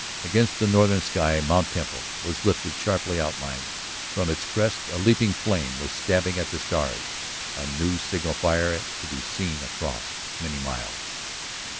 Against the northern sky Mt. Temple was lifted sharply outlined; from its crest a leaping flame was stabbing at the stars, a new signal fire to be seen across many miles.